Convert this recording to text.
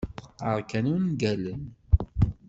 Teqqar kan ungalen.